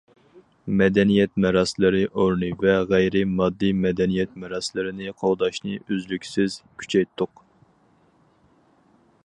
مەدەنىيەت مىراسلىرى ئورنى ۋە غەيرىي ماددىي مەدەنىيەت مىراسلىرىنى قوغداشنى ئۈزلۈكسىز كۈچەيتتۇق.